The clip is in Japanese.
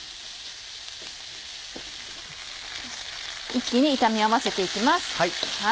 一気に炒め合わせて行きます。